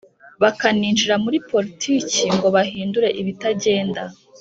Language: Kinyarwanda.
bakaninjira muri politiki ngo bahindure ibitagenda,